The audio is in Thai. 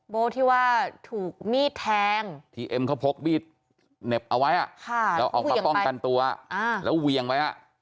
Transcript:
โบ๊ที่ว่าถูกมีดแทงที่เอ็มเขาพกมีดเหน็บเอาไว้แล้วออกมาป้องกันตัวแล้วเวียงไว้